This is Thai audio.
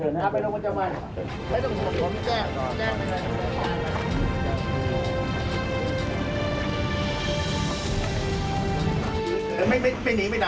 น่าไปลงกว่าจังหวันอ๊ะน้ำลูกผมมีแจ่ละ